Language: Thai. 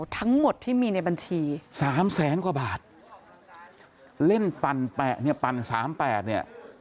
ทั้งหมดที่มีในบัญชีสามแสนกว่าบาทเล่นปั่นแปะเนี่ยปั่นสามแปดเนี่ย